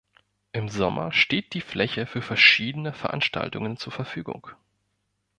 Im Sommer steht die Fläche für verschiedene Veranstaltungen zur Verfügung.